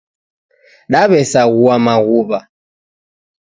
Daw'esaghua maghuw'a